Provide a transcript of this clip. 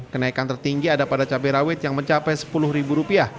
kenaikan tertinggi ada pada cabai rawit yang mencapai rp sepuluh